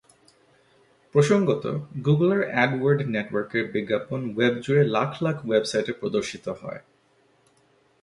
প্রসঙ্গত, গুগলের অ্যাডওয়ার্ড নেটওয়ার্কের বিজ্ঞাপন ওয়েব জুড়ে লাখ লাখ ওয়েবসাইটে প্রদর্শিত হয়।